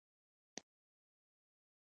د خپل زړه مینه ولرئ لیکن له دماغو کار واخلئ.